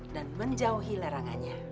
dan menjauhi lerangannya